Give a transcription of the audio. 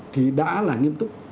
thì đã là nghiêm túc